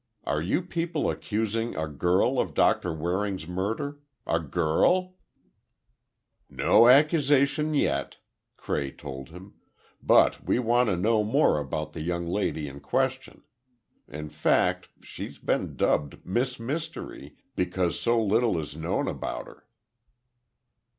Are you people accusing a girl of Doctor Waring's murder? A girl!" "Not accusation yet," Cray told him, "but we want to know more about the young lady in question. In fact, she's been dubbed Miss Mystery, because so little is known about her."